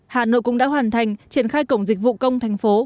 hà nội cũng đã hoàn thành triển khai cổng dịch vụ công thành phố